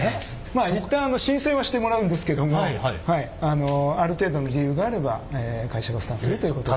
まあ一旦申請はしてもらうんですけどもあのある程度の理由があれば会社が負担するということ。